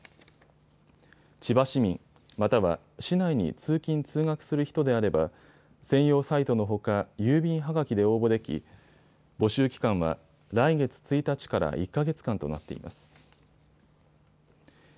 千葉市民、または市内に通勤通学する人であれば、専用サイトのほか郵便はがきで応募でき募集期間は来月１日から１か月間となっています。